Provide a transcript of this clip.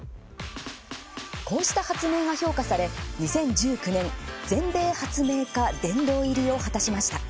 こうした発明が評価され２０１９年全米発明家殿堂入りを果たしました。